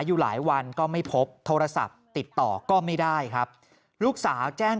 อยู่หลายวันก็ไม่พบโทรศัพท์ติดต่อก็ไม่ได้ครับลูกสาวแจ้ง